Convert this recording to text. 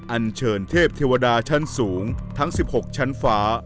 อันเชิญเทพเทวดาชั้นสูงทั้ง๑๖ชั้นฟ้า